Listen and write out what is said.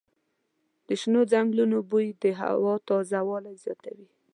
د شنو ځنګلونو بوی د هوا تازه والی زیاتوي.